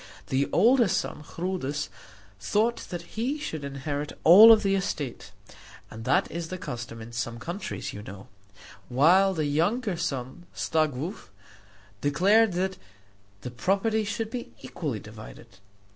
The older son Chrudis thought that he should inherit all of the estate and that is the custom in some countries, you know while the younger son, Staglow, declared that the property should be equally divided.